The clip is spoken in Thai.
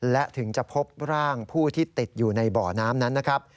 และถึงจะพบร่างผู้ที่ติดอยู่ในบ่อน้ำนั้นนะครับ